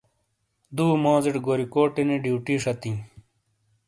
دُو موزیڑے گوریکوٹینی ڈیوٹی شتیِں۔